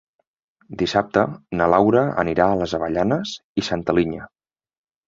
Dissabte na Laura anirà a les Avellanes i Santa Linya.